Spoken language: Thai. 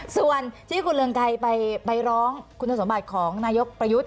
ส่วนที่คุณเรืองไกรไปร้องคุณสมบัติของนายกประยุทธ์